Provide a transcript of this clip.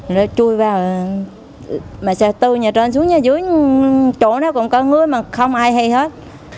rồi chui vào mà sẽ từ nhà trên xuống nhà dưới chỗ đó còn có người mà không ai hay hết